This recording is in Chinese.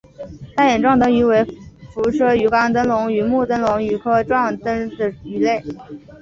大眼壮灯鱼为辐鳍鱼纲灯笼鱼目灯笼鱼科壮灯鱼属的鱼类。